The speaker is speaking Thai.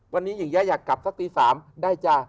วันนี้หญิงแยะอยากกลับสักตี๓ได้จ้ะ